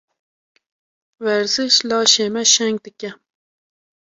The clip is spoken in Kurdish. Werziş, laşê me şeng dike.